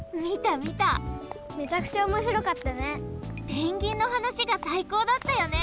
ペンギンの話がさいこうだったよね。